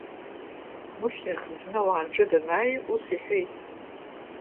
Мушьни дхынҳәны ауаа рҿы данааи, ус иҳәеит…